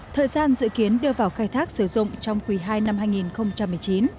thời gian dự kiến đưa vào khai thác sử dụng trong quý ii năm hai nghìn một mươi chín